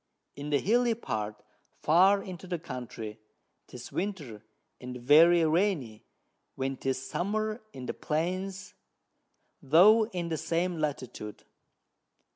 In the Hilly part, far into the Country, 'tis Winter, and very rainy, when 'tis Summer in the Plains, though in the same Latitude.